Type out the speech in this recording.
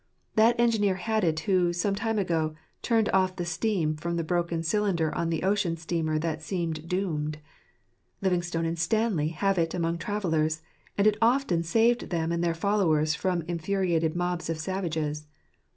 That engineer had it who, some time ago, turned off the steam from the broken cylinder on the ocean steamer that seemed doomed. Livingstone and Stanley have had it among travellers ; and it often saved them and their followers from infuriated mobs of savages.